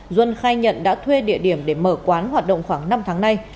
duân khai nhận đã thuê địa điểm để mở quán hoạt động khoảng năm tháng nay